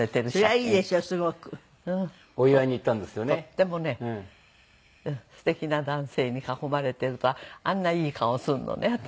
とってもね素敵な男性に囲まれてるとあんないい顔をするのね私。